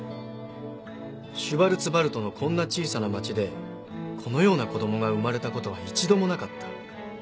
シュヴァルツヴァルトのこんな小さな町でこのような子供が生まれたことは一度もなかった。